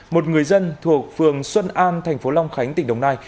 một người dân thuộc phường xuân an thành phố long khánh tỉnh đồng nai